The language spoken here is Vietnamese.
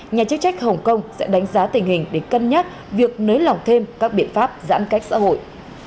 nhà chức trách hồng kông sẽ đánh giá tình hình để cân nhắc việc nới lỏng thêm các biện pháp giãn cách xã hội